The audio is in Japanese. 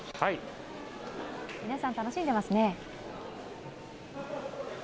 皆さん、楽しんでいますね。